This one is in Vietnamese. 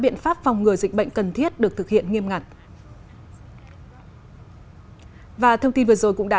biện pháp phòng ngừa dịch bệnh cần thiết được thực hiện nghiêm ngặt và thông tin vừa rồi cũng đã